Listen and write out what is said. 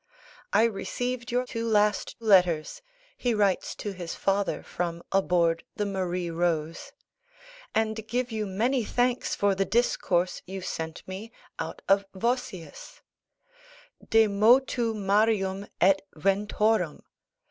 "I received your two last letters," he writes to his father from aboard the Marie Rose, "and give you many thanks for the discourse you sent me out of Vossius: De motu marium et ventorum.